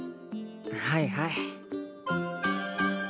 はいはい。